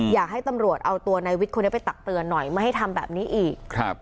อยากให้ตำรวจเอาตัวนายวิทย์คนนี้ไปตักเตือนหน่อยไม่ให้ทำแบบนี้อีกครับ